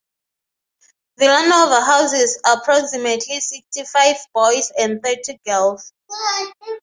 Villanova houses approximately sixty-five boys and thirty girls.